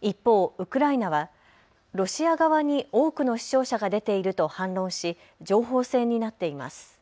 一方、ウクライナはロシア側に多くの死傷者が出ていると反論し情報戦になっています。